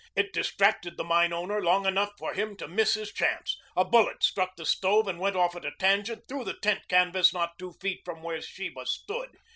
It distracted the mine owner long enough for him to miss his chance. A bullet struck the stove and went off at a tangent through the tent canvas not two feet from where Sheba stood.